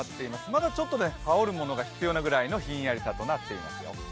まだちょっと羽織るものが必要なぐらいなひんやりさとなっていますよ。